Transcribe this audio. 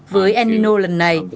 với el nino lần này